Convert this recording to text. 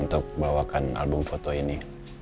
untuk bawakan album foto ini